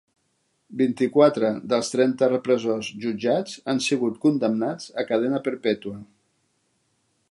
Vint-i-quatre dels trenta repressors jutjats han sigut condemnats a cadena perpètua